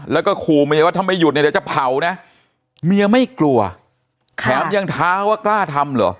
แล้วก็ขู่เมียว่าถ้าไม่หยุดเนี่ยเดี๋ยวจะเผานะเมียไม่กลัวแถมยังท้าว่ากล้าทำเหรอ